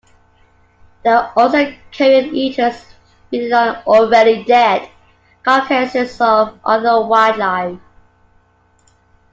They are also carrion eaters, feeding on already dead carcasses of other wildlife.